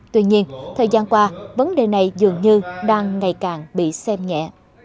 tuy nhiên thời gian qua vấn đề này dường như đang ngày càng bị xem nhẹ